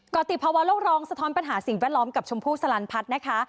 ก็ติดภาวะโลกร้องสะท้อนปัญหาสิ่งแวดล้อมกับชมพู่สลันพัฒน์นะคะ